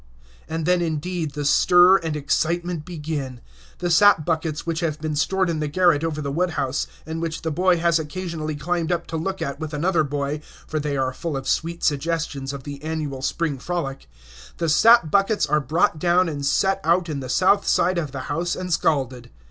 And then, indeed, the stir and excitement begin. The sap buckets, which have been stored in the garret over the wood house, and which the boy has occasionally climbed up to look at with another boy, for they are full of sweet suggestions of the annual spring frolic, the sap buckets are brought down and set out on the south side of the house and scalded.